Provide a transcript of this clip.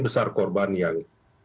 besar korban yang